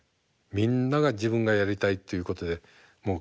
みんなが自分がやりたいということでもう